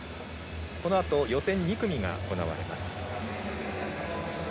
このあと予選２組が行われます。